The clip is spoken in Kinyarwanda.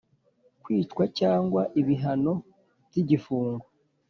Kwicwa cyangwa ibihano by igifungo